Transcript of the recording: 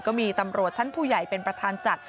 ก็มีตำรวจชั้นผู้ใหญ่เป็นประธานจัด